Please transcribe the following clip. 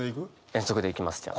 遠足でいきますじゃあ。